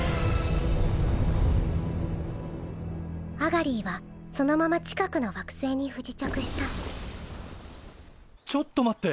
アガリィはそのまま近くの惑星に不時着したちょっと待って！